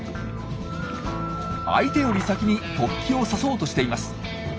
相手より先に突起を刺そうとしています。